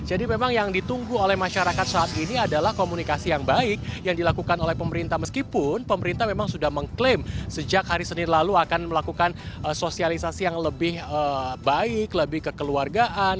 memang yang ditunggu oleh masyarakat saat ini adalah komunikasi yang baik yang dilakukan oleh pemerintah meskipun pemerintah memang sudah mengklaim sejak hari senin lalu akan melakukan sosialisasi yang lebih baik lebih kekeluargaan